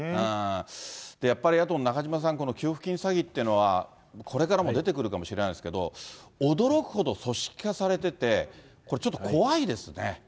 やっぱりあと中島さん、この給付金詐欺ってのは、これからも出てくるかもしれないですけど、驚くほど組織化されてて、これ、ちょっと怖いですね。